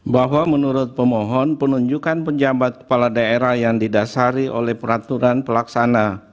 bahwa menurut pemohon penunjukan penjabat kepala daerah yang didasari oleh peraturan pelaksana